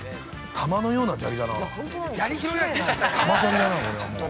玉砂利だな、これはもう。